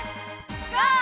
ゴー！